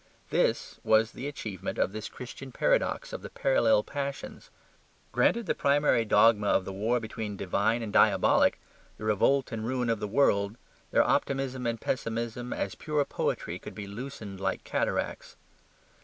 THIS was the achievement of this Christian paradox of the parallel passions. Granted the primary dogma of the war between divine and diabolic, the revolt and ruin of the world, their optimism and pessimism, as pure poetry, could be loosened like cataracts.